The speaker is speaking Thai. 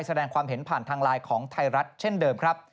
แสดงความเห็นผ่านทางไลน์ของไทยรัฐเช่นเดิมครับ